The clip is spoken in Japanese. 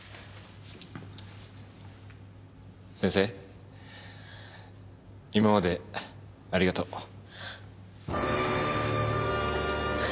先生今までありがとう。